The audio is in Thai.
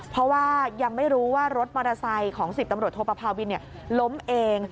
เพราะว่ายังไม่รู้ว่ารถมอเตอร์ไซค์ของ๑๐ตำรวจโทปภาวินล้มเอง